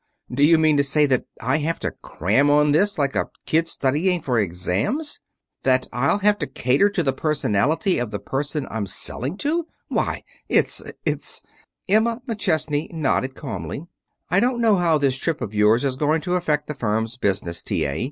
Do you mean to say that I have to cram on this like a kid studying for exams? That I'll have to cater to the personality of the person I'm selling to? Why it's it's " Emma McChesney nodded calmly. "I don't know how this trip of yours is going to affect the firm's business, T. A.